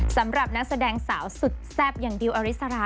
สำหรับนักแสดงสาวสุดแซ่บอย่างดิวอริสรา